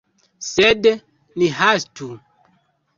Sed ni hastu.